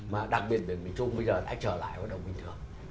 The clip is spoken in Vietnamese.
mà đặc biệt miền bình trung bây giờ đã trở lại hoạt động bình thường